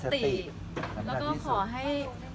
ขอให้มีพลังแล้วก็ขอให้มีสติแล้วก็ขอให้